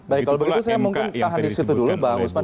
baik kalau begitu saya mungkin tahan di situ dulu bang usman